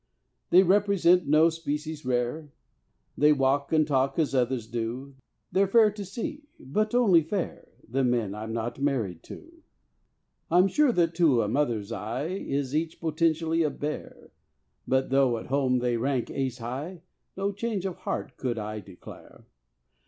They represent no species rare, They walk and talk as others do; They're fair to see but only fair The men I am not married to. I'm sure that to a mother's eye Is each potentially a bear. But though at home they rank ace high, No change of heart could I declare.